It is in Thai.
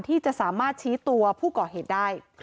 ที่จะสามารถชี้ตัวผู้ก่อเหตุได้